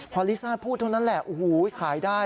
พอลิซ่าพูดเท่านั้นแหละโอ้โหขายได้